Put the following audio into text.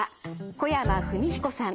小山文彦さん。